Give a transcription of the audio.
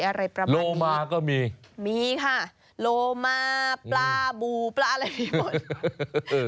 อะไรประมาณโลมาก็มีมีค่ะโลมาปลาบูปลาอะไรหมด